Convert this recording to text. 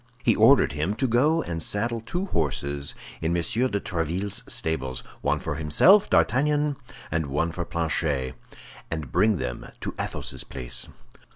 He ordered him to go and saddle two horses in M. de Tréville's stables—one for himself, D'Artagnan, and one for Planchet—and bring them to Athos's place.